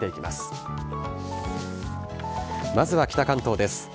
まずは北関東です。